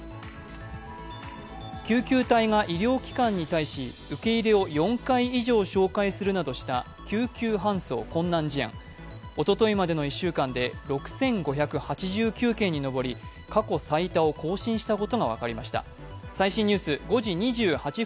救急隊が医療機関に対し、受け入れを４回以上照会するなどした救急搬送困難事案、おとといまでの１週間で６５８９件に上り過去最多を更新したことが分かりました。